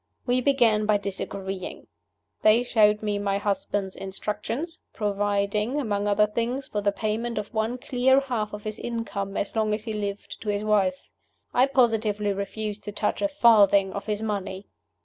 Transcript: We began by disagreeing. They showed me my husband's "instructions," providing, among other things, for the payment of one clear half of his income as long as he lived to his wife. I positively refused to touch a farthing of his money.